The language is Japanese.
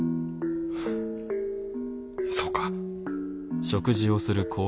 そうか。